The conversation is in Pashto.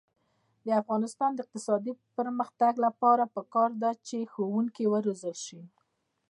د افغانستان د اقتصادي پرمختګ لپاره پکار ده چې ښوونکي وروزل شي.